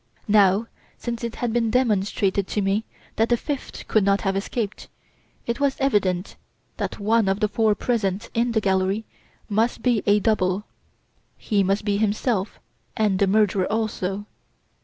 Now since it had been demonstrated to me that the fifth could not have escaped, it was evident that one of the four present in the gallery must be a double he must be himself and the murderer also.